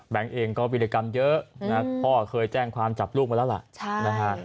แบงค์เองก็มีรายกรรมเยอะพ่อเคยแจ้งความจับลูกมาแล้วล่ะ